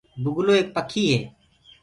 بُگلو ايڪ پکي هي۔